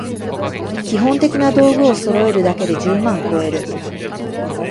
基本的な道具をそろえるだけで十万こえる